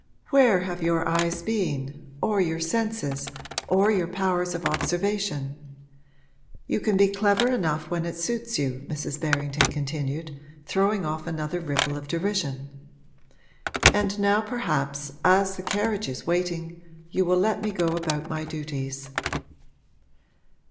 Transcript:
'Where have your eyes been, or your senses, or your powers of observation? You can be clever enough when it suits you!' Mrs. Berrington continued, throwing off another ripple of derision. 'And now perhaps, as the carriage is waiting, you will let me go about my duties.'